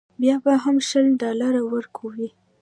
بیا به هم شل ډالره ورکوې.